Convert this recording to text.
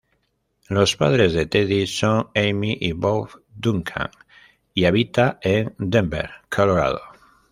Los padres de Teddy son Amy y Bob Duncan y habita en Denver, Colorado.